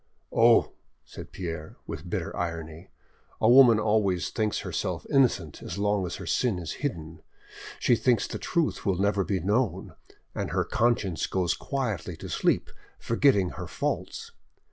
"Oh!" said Pierre, with bitter irony, "a woman always thinks herself innocent as long as her sin is hidden; she thinks the truth will never be known, and her conscience goes quietly to sleep, forgetting her faults.